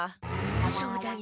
そうだね。